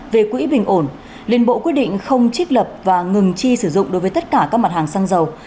về quỹ bình ổn liên bộ quyết định không trích lập và ngừng chi sử dụng đối với tất cả các mặt hàng xăng dầu